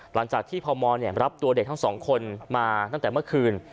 หลังจากที่พมรับตัวเด็กทั้งสองคนมาตั้งแต่เมื่อคืน